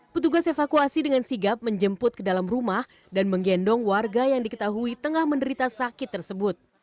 petugas evakuasi dengan sigap menjemput ke dalam rumah dan menggendong warga yang diketahui tengah menderita sakit tersebut